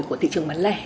của thị trường bán lẻ